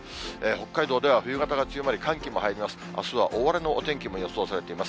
北海道では冬型が強まり、寒気も入ります。